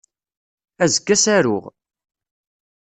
Azekka ad as-aruɣ.